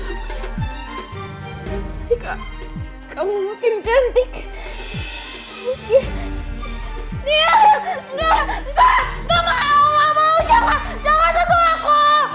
nggak nggak mau jangan jangan tentu aku